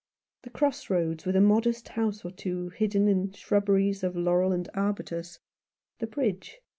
The cross roads, with a modest house or two hidden in shrubberies of laurel and arbutus — the bridge.